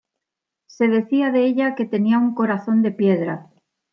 Se decía de ella que tenía un corazón de piedra.